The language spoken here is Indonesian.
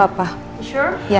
gak apa apa saya aja